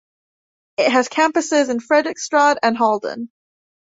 It has campuses in Fredrikstad and Halden.